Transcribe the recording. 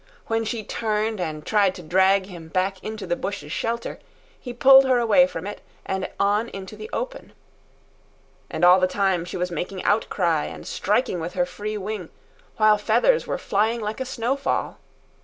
When she turned and tried to drag him back into the bush's shelter, he pulled her away from it and on into the open. And all the time she was making outcry and striking with her free wing, while feathers were flying like a snow fall.